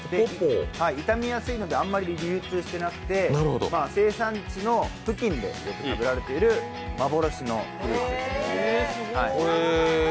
傷みやすいので、あまり流通していなくて生産地の付近でよく食べられている幻のフルーツです。